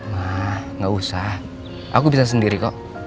nah gak usah aku bisa sendiri kok